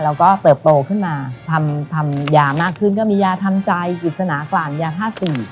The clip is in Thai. เราก็เติบโตขึ้นมาทำยามากขึ้นก็มียาทำใจอิศนากรรมยา๕๔